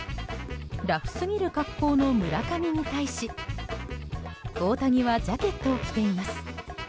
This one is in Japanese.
ラフすぎる格好の村上に対し大谷はジャケットを着ています。